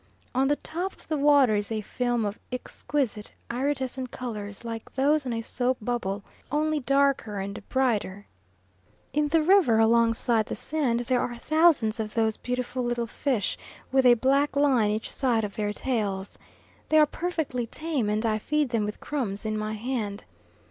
On the top of the water is a film of exquisite iridescent colours like those on a soap bubble, only darker and brighter. In the river alongside the sand, there are thousands of those beautiful little fish with a black line each side of their tails. They are perfectly tame, and I feed them with crumbs in my hand.